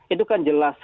itu kan jelas